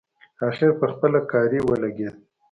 اخر پخپله کاري ولګېد.